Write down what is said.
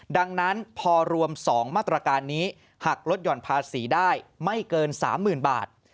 ดังนั้นพอรวม๒มาตรการนี้หักลดหย่อนภาษีได้ไม่เกิน๓๐๐๐บาท